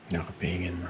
gak kepengen ma